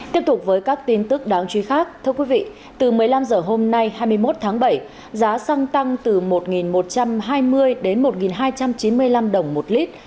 tiếp tục với các tin tức đáng chú ý khác thưa quý vị từ một mươi năm h hôm nay hai mươi một tháng bảy giá xăng tăng từ một một trăm hai mươi đến một hai trăm chín mươi năm đồng một lít